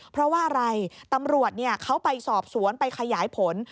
เพราะว่าอะไรตำรวจเขาไปสอบสวนไปขยายผล